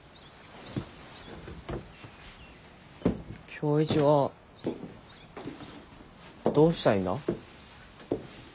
今日一はどうしたいんだ？